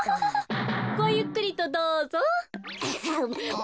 ごゆっくりとどうぞ。